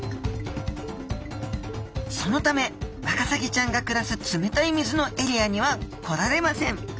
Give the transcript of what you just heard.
そのためワカサギちゃんが暮らす冷たい水のエリアには来られません。